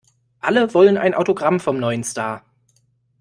Alle wollen ein Autogramm vom neuen Star.